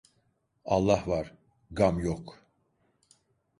Allah var. Gam yok.